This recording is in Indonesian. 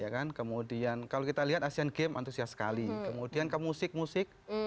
ya kan kemudian kalau kita lihat asean games antusias sekali kemudian ke musik musik